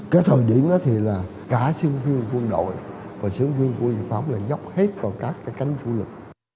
cái thời điểm đó thì là cả sướng viên quân đội và sướng viên quân giải phóng là dốc hết vào các cái cánh chủ lực